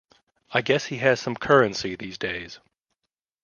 I guess he has some currency these days.